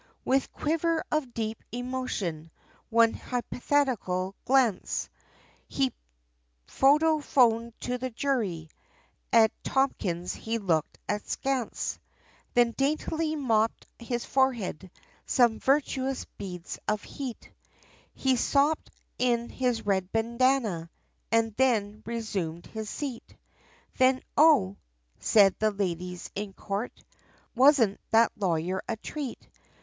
With quiver of deep emotion, one hypnothetical glance, He photophoned to the jury, at Tommins he looked askance, Then daintily mopped his forehead, some virtuous beads of heat, He sopped in his red bandana, and then he resumed his seat. Then "Oh!" said the ladies in court, "Wasn't that lawyer a treat?"